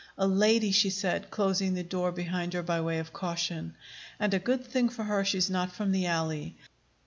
"A lady!" she said, closing the door behind her by way of caution. "And a good thing for her she's not from the alley.